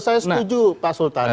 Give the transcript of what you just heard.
saya setuju pak sultan